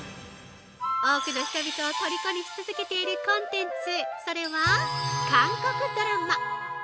多くの人々をとりこにし続けているコンテンツそれは、韓国ドラマ。